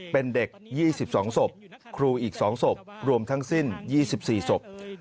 เป็นเด็ก๒๒ศพครูอีก๒ศพรวมทั้งสิ้น๒๔ศพ